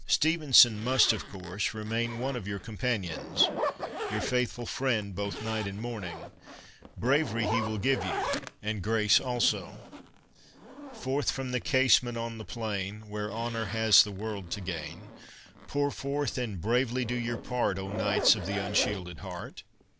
Stevenson must, of course, remain one of your companions — your faithful friend both night and morning. Bravery he will give you, and grace also. Forth from the casement, on the plain Where honour has the world to gain, Pour forth and bravely do your part, O knights of the unshielded heart